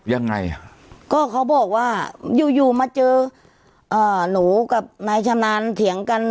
ยังไงก็เขาบอกว่าอยู่อยู่มาเจออ่าหนูกับนายชำนาญเถียงกัน